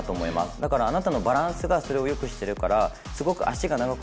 だからあなたのバランスがそれを良くしてるから。